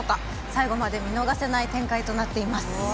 最後まで見逃せない展開となっています。